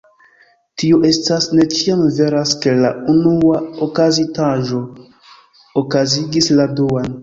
Tio estas, ne ĉiam veras ke la unua okazintaĵo okazigis la duan.